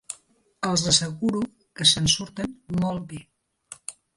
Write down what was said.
Els asseguro que se'n surten molt bé.